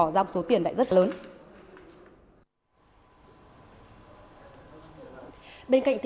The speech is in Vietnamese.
ba trăm linh là cái này b à